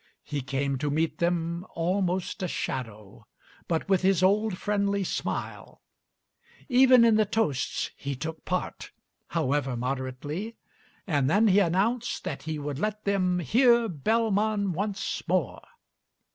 He came to meet them almost a shadow, but with his old friendly smile; even in the toasts he took part, however moderately, and then he announced that he would let them 'hear Bellman once more.'